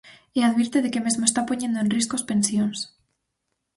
E advirte de que mesmo está poñendo en risco as pensións.